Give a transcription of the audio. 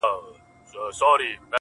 ترې به سترگه ايستل كېږي په سيخونو!.